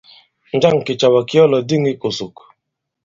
Njâŋ kìcàwà ki ɔ lɔ̀dîŋ ikòsòk?